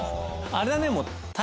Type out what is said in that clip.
あれだね。